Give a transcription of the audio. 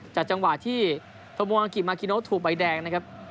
จากจังหวะที่โทโมงอังกฤษมาคิโนถูกใบแดงนะครับ